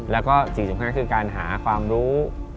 แล้วก็สิ่งสุขข้างขึ้นคือการหาความรู้